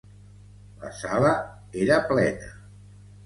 La sala era plena.